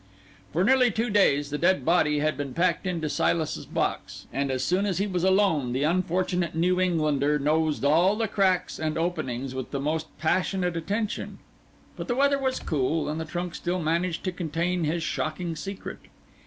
For nearly two days the dead body had been packed into Silas's box; and as soon as he was alone the unfortunate New Englander nosed all the cracks and openings with the most passionate attention. But the weather was cool, and the trunk still managed to contain his shocking secret.